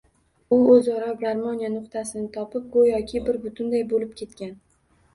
U oʻzaro garmoniya nuqtasini topib goʻyoki bir butunday boʻlib ketgan.